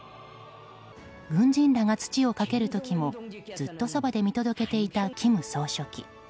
軍人らが土をかける時もずっと、そばで見届けていた金総書記。